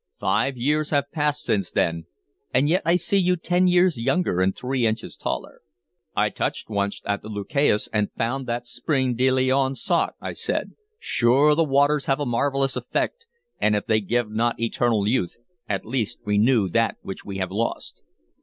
Five years have passed since then, and yet I see you ten years younger and three inches taller." "I touched once at the Lucayas, and found the spring de Leon sought," I said. "Sure the waters have a marvelous effect, and if they give not eternal youth at least renew that which we have lost."